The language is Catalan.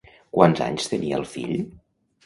Quants anys tenia el fill?